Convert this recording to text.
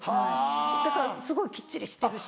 だからすごいきっちりしてるし。